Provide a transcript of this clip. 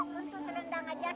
satu setengah bulan buat satu